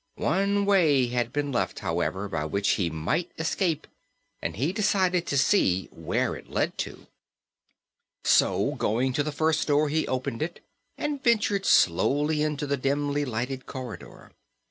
One way had been left, however, by which he might escape and he decided to see where it led to. So, going to the first door, he opened it and ventured slowly into the dimly lighted corridor.